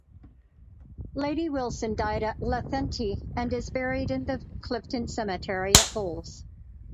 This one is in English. Lady Wilson died at Lethenty and is buried in the Clifton Cemetery at Bulls.